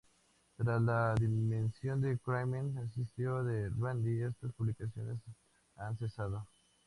Tras la dimisión de Kramer, asistente de Randi, estas publicaciones han cesado.